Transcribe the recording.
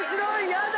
やだ！